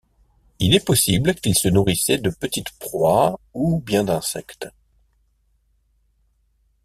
Il est possible qu'il se nourrissait de petites proies ou bien d'insectes.